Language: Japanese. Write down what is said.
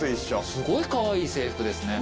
すごいかわいい制服ですね。